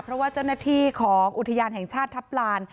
เพราะว่าเจ้าหน้าที่ของอุทยานแห่งชาติทัพลาน